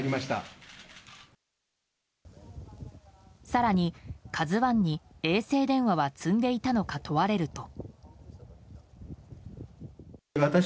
更に「ＫＡＺＵ１」に衛星電話は積んでいたのか問われると。